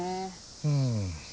うん。